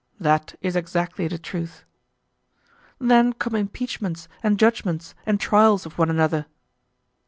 That is exactly the truth. Then come impeachments and judgments and trials of one another.